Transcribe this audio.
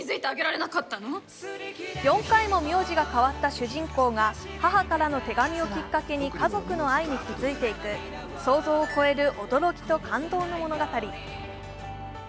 ４回も名字が変わった主人公が母からの手紙をきっかけに家族の愛に気づいていく、想像を超える驚きと感動の物語。